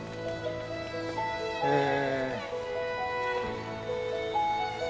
へえ。